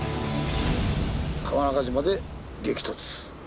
川中島で激突。